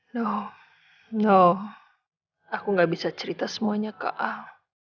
no no aku gak bisa cerita semuanya ke al